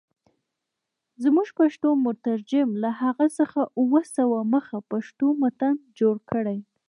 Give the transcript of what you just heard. زموږ پښتو مترجم له هغه څخه اووه سوه مخه پښتو متن جوړ کړی.